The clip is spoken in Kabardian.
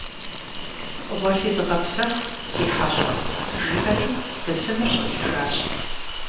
- Гъуэлъи зыгъэпсэху, си хьэщӀэ! - жиӀэри бысымыр щӀэкӀыжащ.